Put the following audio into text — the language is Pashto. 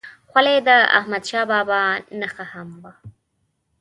خولۍ د احمدشاه بابا نښه هم وه.